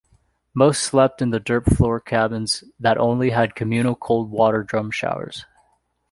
Most slept in dirt-floor cabins that only had communal cold-water drum showers.